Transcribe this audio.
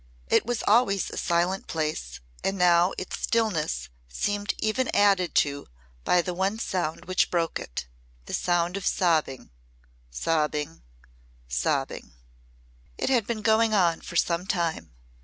It was always a silent place and now its stillness seemed even added to by the one sound which broke it the sound of sobbing sobbing sobbing. It had been going on for some time.